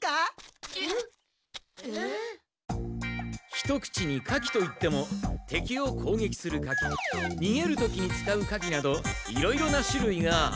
一口に火器といっても敵をこうげきする火器にげる時に使う火器などいろいろなしゅるいがある。